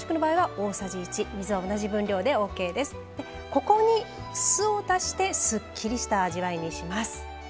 ここに酢を足してすっきりした味わいにします。